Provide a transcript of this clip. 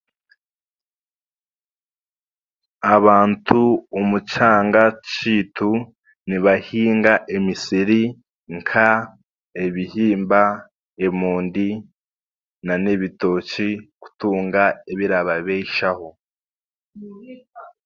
Abantu omu kyanga kyaitu nibahinga emisiri nka ebihimba emondi nanebitooki kutunga ebirababeisaho